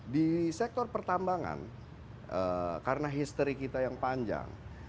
di sektor pertambangan karena history kita yang panjang